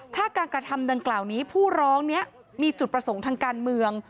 ถ้าการกระทำดังกล่าวนี้ผู้ร้องนี้มีจุดประสงค์ทางการเมือง